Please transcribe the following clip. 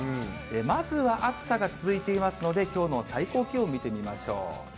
まずは暑さが続いていますので、きょうの最高気温見てみましょう。